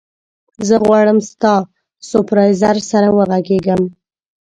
زه غواړم ستا سوپروایزر سره وغږېږم.